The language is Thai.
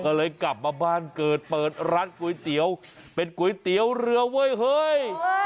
ก็เลยกลับมาบ้านเกิดเปิดร้านก๋วยเตี๋ยวเป็นก๋วยเตี๋ยวเรือเว้ยเฮ้ย